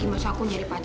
iya terus terima kasih